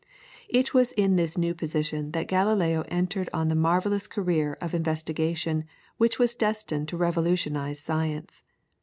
] It was in this new position that Galileo entered on that marvellous career of investigation which was destined to revolutionize science.